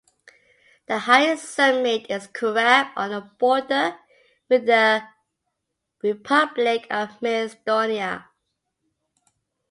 The highest summit is Korab on the border with the Republic of Macedonia.